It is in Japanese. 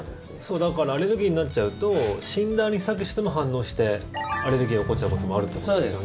だからアレルギーになっちゃうと死んだアニサキスでも反応してアレルギーを起こしちゃうこともあるってことですよね？